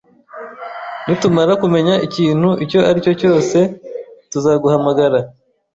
Nitumara kumenya ikintu icyo ari cyo cyose, tuzaguhamagara